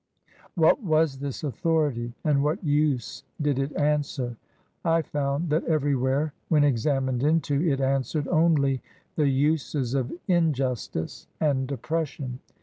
What was this authority, and what use did it answer ? I found that everywhere, when examined into, it answered only the uses of injustice and oppression.